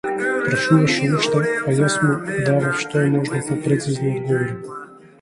Прашуваше уште, а јас му давав што е можно попрецизни одговори.